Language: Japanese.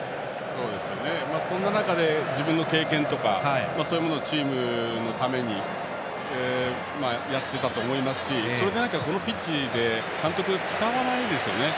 そんな中で自分の経験とかそういうものをチームのためにやっていたと思いますしそれでなきゃこのピッチで監督は使わないですよね。